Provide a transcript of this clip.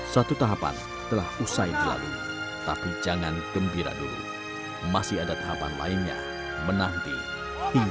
satu persatu akhirnya para siswa calon kopaska berhasil memasuki finis